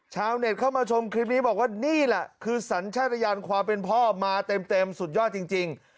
ชาวเน็ตเข้ามาชมคลิปนี้บอกว่านี่แหละคือสัญชาติยานความเป็นพ่อมาเต็มสุดยอดจริง